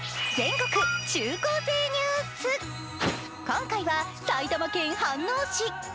今回は埼玉県飯能市。